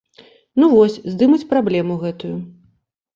Ну вось, здымуць праблему гэтую.